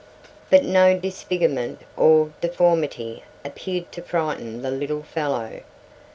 But no disfigurement or deformity appeared to frighten the little fellow.